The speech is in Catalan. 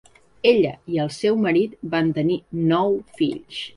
Ella i el seu marit van tenir nou fills.